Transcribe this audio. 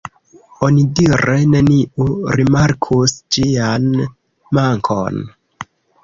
Onidire neniu rimarkus ĝian mankon.